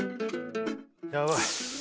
やばい！